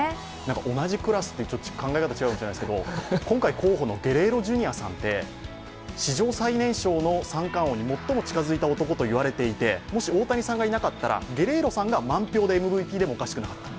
同じクラスという、ちょっと考え方は違いますけど、今回、候補のゲレーロ・ジュニアさんって史上最年少の三冠王に最も近づいた男と言われていて、もし大谷さんがいなかったらゲレーロさんが満票でＭＶＰでもおかしくなかった。